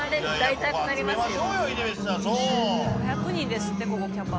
５００人ですってここキャパ。